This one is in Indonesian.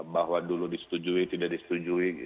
bahwa dulu disetujui tidak disetujui